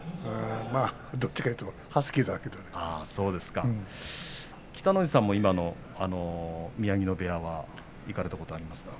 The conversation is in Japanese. どっちかっていうと北の富士さんも今の宮城野部屋は行かれたことはありますか。